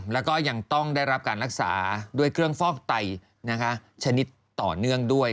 แล้วก็ยังต้องได้รับการรักษาด้วยเครื่องฟอกไตชนิดต่อเนื่องด้วย